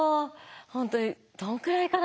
本当にどのくらいかな？